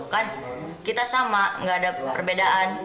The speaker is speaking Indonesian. kan kita sama nggak ada perbedaan